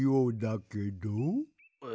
え？